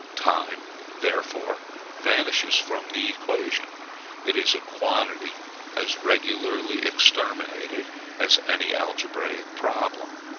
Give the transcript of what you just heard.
Time, therefore, vanishes from the equation: it is a quantity as regularly exterminated as in any algebraic problem.